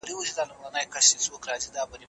تېر نسل د خپلو عاطفي اړيکو قرباني کېده.